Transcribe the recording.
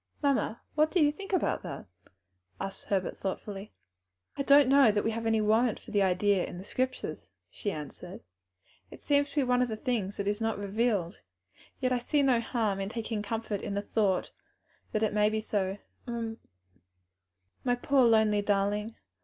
"Mamma, what do you think about it?" asked Herbert. "I do not know that we have any warrant for the idea in the Scriptures," she answered; "it seems to be one of the things that is not revealed; yet I see no harm in taking comfort in the thought that it may be so. My poor lonely darling!